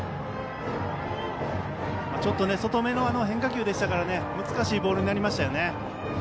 外めの変化球でしたから難しいボールになりましたよね。